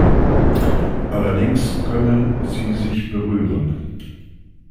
Allerdings können sie sich berühren.